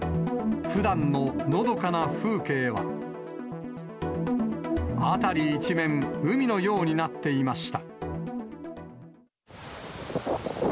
ふだんののどかな風景は、辺り一面、海のようになっていました。